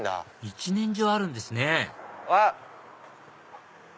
一年中あるんですねうわっ！